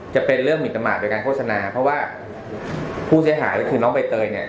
จะเป็นเรื่องหมินประมาทโดยการโฆษณาเพราะว่าผู้เสียหายก็คือน้องใบเตยเนี่ย